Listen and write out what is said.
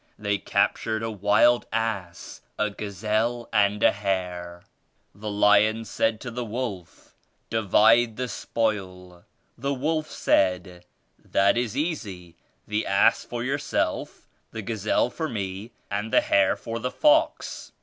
They captured a wild ass, a gazelle and a hare. The lion said to the wolf, 'Divide the spoil.' The wolf said, 'That is easy; the ass for yourself, the gazelle for me and the hare for the fox.'